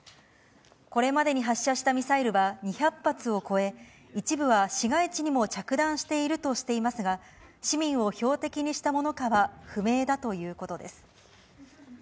これまでに発射したミサイルは２００発を超え、一部は市街地にも着弾しているとしていますが、市民を標的にしたものかは不明だということです。